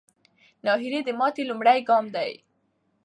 ناهیلي د ماتې لومړی ګام دی.